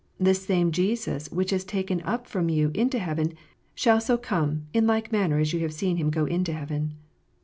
This same Jesus which is taken up from you into heaven, shall so come in like manner as ye have seen Him go into heaven."